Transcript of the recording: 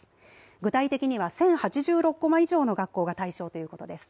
具体的には１０８６コマ以上の学校が対象ということです。